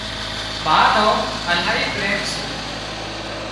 ما نو الاهي پريم سي